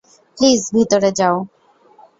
Please ভিতরে যাও।